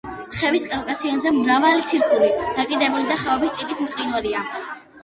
ხევის კავკასიონზე მრავალი ცირკული, დაკიდებული და ხეობის ტიპის მყინვარია.